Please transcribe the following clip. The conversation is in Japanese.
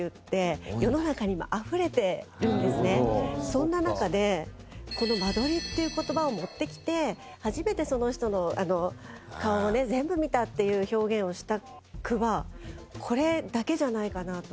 そんな中でこの「間取り」っていう言葉を持ってきて初めてその人の顔を全部見たっていう表現をした句はこれだけじゃないかなと。